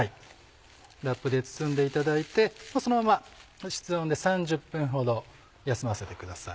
ラップで包んでいただいてそのまま室温で３０分ほど休ませてください。